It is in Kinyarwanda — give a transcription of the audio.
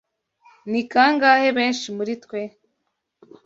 Ni kangahe benshi muri twe